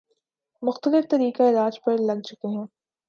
مختلف طریقہ علاج پر لگ چکے ہیں